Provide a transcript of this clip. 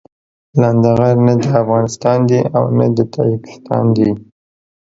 لنډغر نه افغانستان دي او نه د تاجيکستان دي.